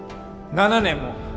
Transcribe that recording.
７年も！